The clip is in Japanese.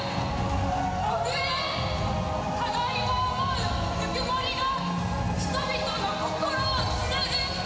互いを思うぬくもりが、人々の心をつなぐ。